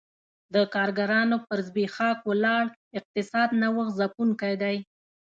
د کارګرانو پر زبېښاک ولاړ اقتصاد نوښت ځپونکی دی